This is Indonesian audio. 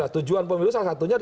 tujuan pemilu salah satunya